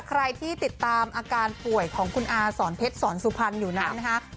ใครที่ติดตามอาการป่วยของคุณอาสอนเพชรสอนสุพรรณอยู่นั้นนะคะ